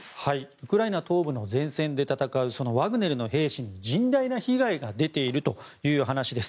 ウクライナ東部の前線で戦うワグネル兵士に甚大な被害が出ているという話です。